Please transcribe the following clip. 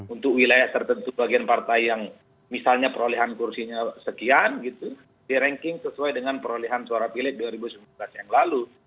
untuk wilayah tertentu bagian partai yang misalnya perolehan kursinya sekian gitu di ranking sesuai dengan perolehan suara pilek dua ribu sembilan belas yang lalu